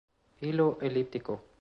Hilo elíptico.